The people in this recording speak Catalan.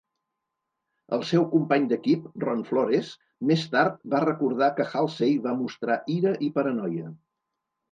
El seu company d'equip, Ron Flores, més tard va recordar que Halsey va mostrar ira i paranoia.